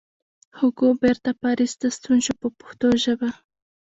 هوګو بېرته پاریس ته ستون شو په پښتو ژبه.